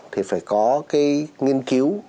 thì phải có cái nghiên cứu